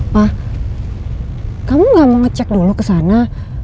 pak kamu gak mau ngecek dulu ke sana